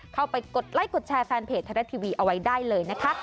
กดไลค์กดแชร์แฟนเพจไทยรัฐทีวีเอาไว้ได้เลยนะคะ